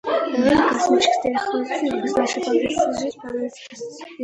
Роль космических технологий в нашей повседневной жизни проявляется достаточно ясно.